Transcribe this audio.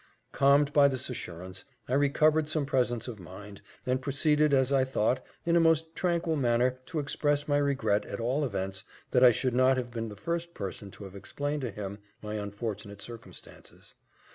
Calmed by this assurance, I recovered some presence of mind, and proceeded, as I thought, in a most tranquil manner to express my regret, at all events, that I should not have been the first person to have explained to him my unfortunate circumstances.